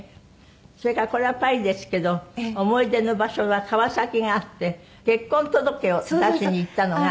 それからこれはパリですけど思い出の場所は川崎があって結婚届を出しに行ったのが。